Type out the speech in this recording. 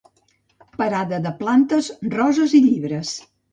Parada de plantes, roses i llibres.